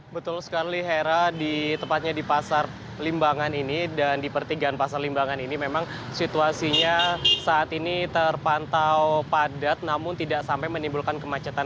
betul sekali hera di tepatnya di pasar limbangan ini dan di pertigaan pasar limbangan ini memang situasinya saat ini terpantau padat namun tidak sampai menimbulkan kemacetan